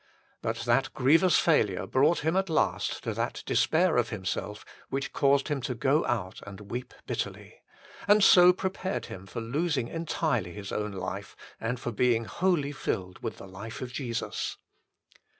But that grievous failure brought him at last to that despair of himself which 1 Luke xiv. 33. HOW THE BLESSING IS HINDERED 71 caused him to go out and weep bitterly, and so prepared him for losing entirely his own life and for being wholly filled with the life of Jesus.